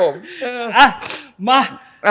อ่ะมา